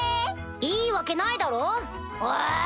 いいわけないだろ！え！